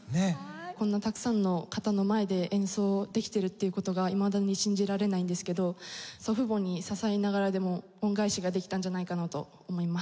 こんなたくさんの方の前で演奏できてるっていう事がいまだに信じられないんですけど祖父母に支えられながらでも恩返しができたんじゃないかなと思います。